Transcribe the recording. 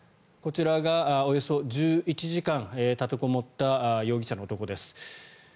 こちらが、およそ１１時間立てこもった容疑者の男です。